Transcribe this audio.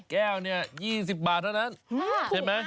แก้วเนี่ย๒๐บาทเท่านั้น